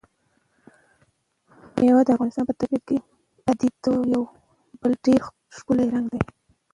مېوې د افغانستان د طبیعي پدیدو یو بل ډېر ښکلی رنګ دی.